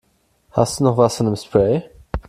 Hast du noch was von dem Spray?